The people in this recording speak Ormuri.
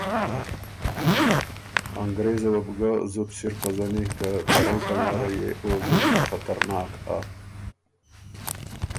انګرېزه وه بُو ګه زُت سِر پزنی که ته رئ پناره يې او زُت خطرناک هۀ